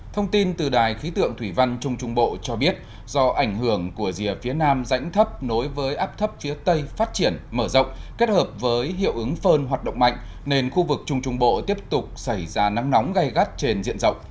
thông tin từ đài khí tượng thủy văn trung trung bộ cho biết do ảnh hưởng của rìa phía nam rãnh thấp nối với áp thấp phía tây phát triển mở rộng kết hợp với hiệu ứng phơn hoạt động mạnh nên khu vực trung trung bộ tiếp tục xảy ra nắng nóng gai gắt trên diện rộng